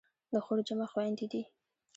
د خور جمع خویندې دي.